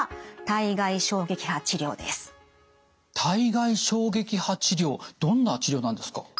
体外衝撃波治療どんな治療なんですか？